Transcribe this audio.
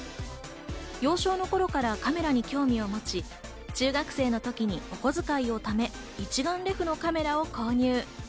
幼少の頃からカメラに興味を持ち、中学生の時にお小遣いを貯め、一眼レフのカメラを購入。